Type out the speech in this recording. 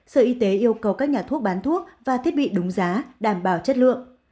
sở y tế yêu cầu các nhà thuốc bán thuốc và thiết bị đúng giá đảm bảo chất lượng